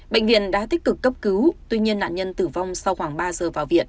bệnh viện đã tích cực cấp cứu tuy nhiên nạn nhân tử vong sau khoảng ba giờ vào viện